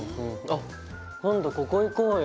あっ今度ここ行こうよ。